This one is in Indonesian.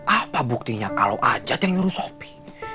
apa buktinya kalau ada yang nyuruh sopi